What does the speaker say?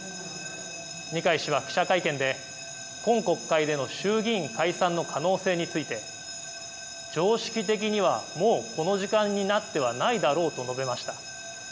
二階氏は記者会見で今国会での衆議院解散の可能性について常識的にはもうこの時間になってはないだろうと述べました。